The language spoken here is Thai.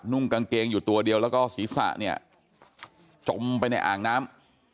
่งกางเกงอยู่ตัวเดียวแล้วก็ศีรษะเนี่ยจมไปในอ่างน้ำ